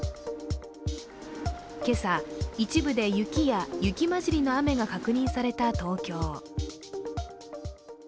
今朝、一部で雪や雪まじりの雨が確認された東京。